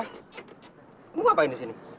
ibu ngapain disini